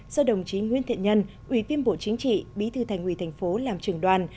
do đồng chí nguyễn thiện nhân ủy viên bộ chính trị bí thư thành ủy thành phố làm trưởng đoàn